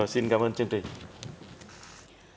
xin cảm ơn chân trình